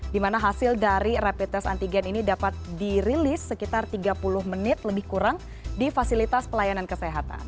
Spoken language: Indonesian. dimana hasil dari rapid test antigen ini dapat dirilis sekitar tiga puluh menit lebih kurang di fasilitas pelayanan kesehatan